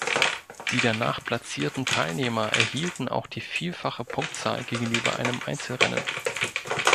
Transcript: Die danach platzierten Teilnehmer erhielten auch die vierfache Punktzahl gegenüber einem Einzelrennen.